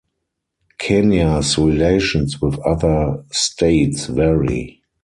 Kenya's relations with other states vary.